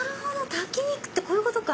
炊き肉ってこういうことか！